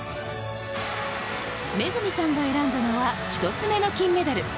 恵さんが選んだのは１つ目の金メダル。